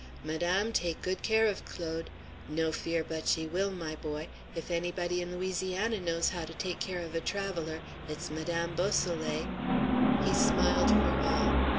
Madame, take good care of Claude. No fear but she will, my boy; if anybody in Louisiana knows how to take care of a traveller, it's Madame Beausoleil." He smiled for all.